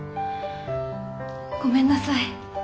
ごめんなさい。